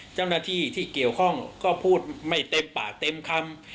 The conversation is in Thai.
เจ้าหน้าที่ที่เกี่ยวข้องก็พูดไม่เต็มปากเต็มคำ